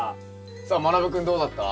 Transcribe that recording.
さあまなぶ君どうだった？